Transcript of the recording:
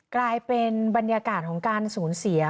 กลายเป็นบรรยากาศของการสูญเสีย